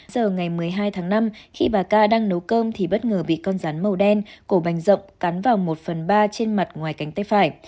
giờ ngày một mươi hai tháng năm khi bà ca đang nấu cơm thì bất ngờ bị con rắn màu đen cổ bành rộng cắn vào một phần ba trên mặt ngoài cánh tay phải